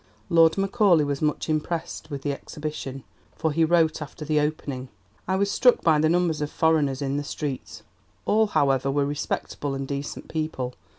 Lord Macaulay was much impressed with the Exhibition, for he wrote after the opening: "I was struck by the numbers of foreigners in the streets. All, however, were respectable and decent people.